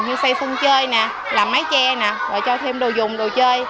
như xây sân chơi làm máy che rồi cho thêm đồ dùng đồ chơi